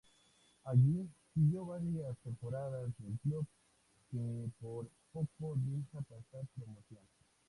Allí siguió varias temporadas del club que por poco deja pasar promoción.